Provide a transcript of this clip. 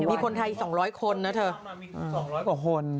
มีคนไทย๒๐๐คน